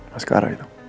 mas kara itu